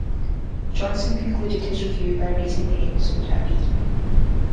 Johnson concluded his review by rating the episode a "B".